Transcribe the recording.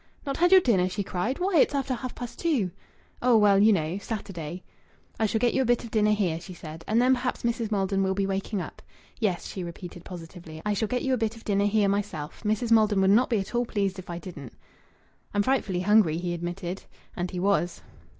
"Not had your dinner!" she cried. "Why! It's after half past two!" "Oh, well, you know ... Saturday...." "I shall get you a bit of dinner here," she said. "And then perhaps Mrs. Maldon will be waking up. Yes," she repeated, positively, "I shall get you a bit of dinner here, myself. Mrs. Maldon would not be at all pleased if I didn't." "I'm frightfully hungry," he admitted. And he was.